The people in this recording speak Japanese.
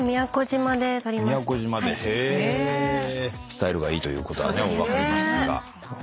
スタイルがいいということが分かりますが。